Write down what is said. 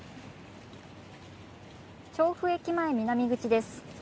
調布駅前南口です。